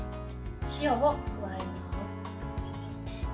塩を加えます。